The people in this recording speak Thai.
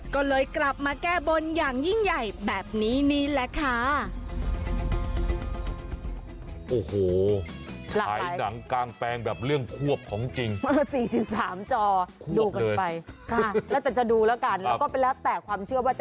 ก็เลยกลับมาแก้บนอย่างยิ่งใหญ่แบบนี้นี่แหละค่ะ